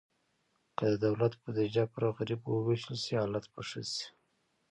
که د دولت بودیجه پر غریبو ووېشل شي، حالت به ښه شي.